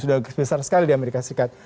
sudah besar sekali di amerika serikat